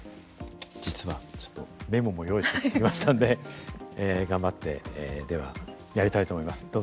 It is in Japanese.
実はちょっとメモも用意してきましたので頑張ってではやりたいと思います。